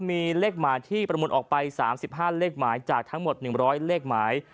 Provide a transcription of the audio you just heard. มีเลขหมายที่ประมูลออกไป๓๕เลขหมายจากทั้งหมด๑๐๐เลขหมาย